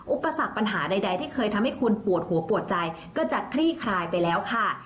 อุปสรรคปัญหาใดที่เคยทำให้คุณปวดหัวปวดใจก็จะคลี่คลายไปแล้วค่ะ